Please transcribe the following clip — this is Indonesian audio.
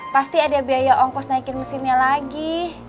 pasti ada biaya ongkos naikin mesinnya lagi